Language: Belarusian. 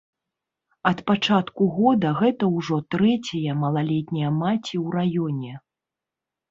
Ад пачатку года гэта ўжо трэцяя малалетняя маці ў раёне.